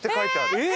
えっ！